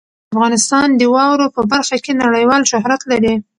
افغانستان د واورو په برخه کې نړیوال شهرت لري.